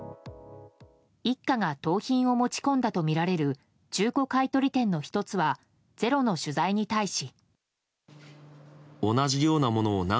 一家が盗品を持ち込んだとみられる中古買い取り店の１つは「ｚｅｒｏ」の取材に対し。